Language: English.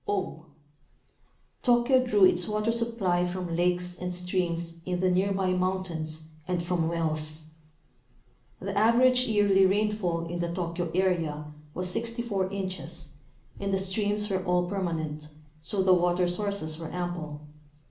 o. Tokyo drew its water supply from lakes and streams in the near by mountains and from wells. The average yearly rainfall in the Tokyo area was 64 inches and the streams were all permanent, so the water sources were ample.